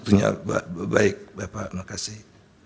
waktunya baik bapak terima kasih